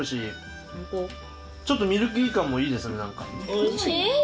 「おいしー」